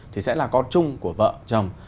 thì sẽ là con chung của vợ chồng